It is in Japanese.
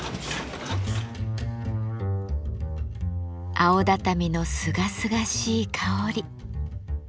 青畳のすがすがしい香り。